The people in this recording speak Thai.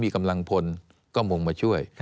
มีกำลังพลก็มงมาช่วย